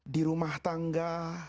di rumah tangga